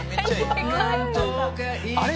「あれ？